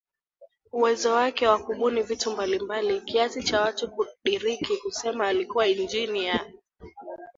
uwezo wake wa kubuni vitu mbalimbali kiasi cha watu kudiriki kusema alikuwa injini ya